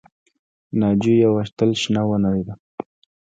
ناجو یوه تل شنه ونه ده